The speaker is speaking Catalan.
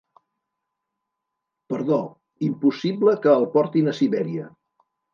«Perdó, impossible que el portin a Sibèria».